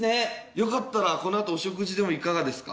よかったらこの後お食事でもいかがですか？